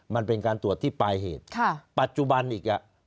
มันเป็นการตรวจที่ปลายเหตุปัจจุบันอีก